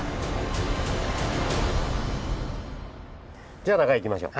じゃ中行きましょう。